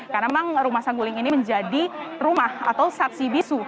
karena memang rumah saguling ini menjadi rumah atau saksi bisu